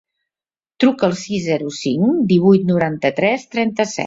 Truca al sis, zero, cinc, divuit, noranta-tres, trenta-set.